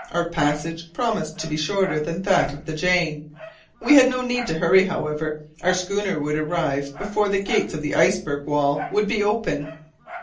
Our passage promised to be shorter than that of the Jane. We had no need to hurry, however. Our schooner would arrive before the gates of the iceberg wall would be open.